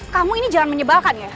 kamu ini jangan menyebalkan ya